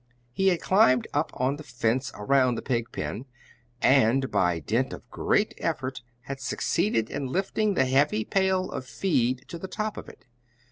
He had climbed up on the fence around the pig pen, and by dint of great effort had succeeded in lifting the heavy pail of feed to the top of it.